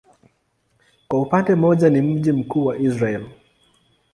Kwa upande mmoja ni mji mkuu wa Israel.